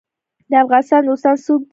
د افغانستان دوستان څوک دي؟